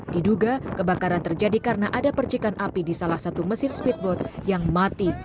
diduga kebakaran terjadi karena ada percikan api di salah satu mesin speedboat yang mati